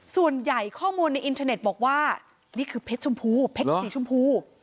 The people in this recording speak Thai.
ส่วนใหญ่ข้อมูลในอินเทอร์เน็ตบอกว่านี่คือเพชรชมพูเพชรสีชมพู